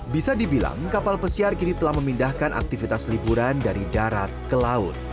bisa dibilang kapal pesiar kini telah memindahkan aktivitas liburan dari darat ke laut